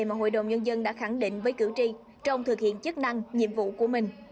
mà hội đồng nhân dân đã khẳng định với cử tri trong thực hiện chức năng nhiệm vụ của mình